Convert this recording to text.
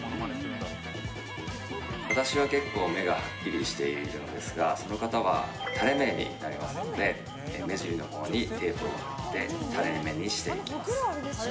私は結構目がはっきりしているのですがその方は垂れ目になりますので目尻のほうにテープを貼ってたれ目にしていきます。